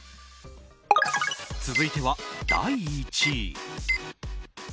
続いては第１位。